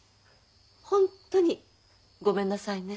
ホントにごめんなさいね。